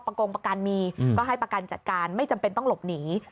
โกงประกันมีก็ให้ประกันจัดการไม่จำเป็นต้องหลบหนี